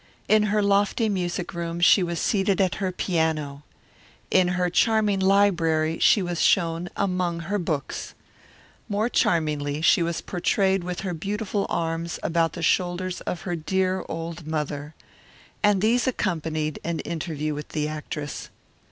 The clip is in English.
In her lofty music room she was seated at her piano. In her charming library she was shown "Among Her Books." More charmingly she was portrayed with her beautiful arms about the shoulders of her dear old mother. And these accompanied an interview with the actress.